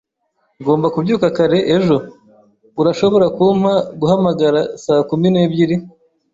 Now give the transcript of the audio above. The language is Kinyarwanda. Ngomba kubyuka kare ejo. Urashobora kumpa guhamagara saa kumi n'ebyiri?